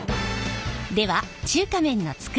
では中華麺の作り方。